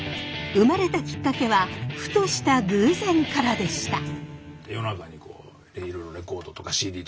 生まれたきっかけはふとした偶然からでした。